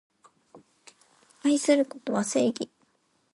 愛することは正義